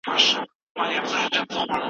بابریان او صفویان یا هم نورو.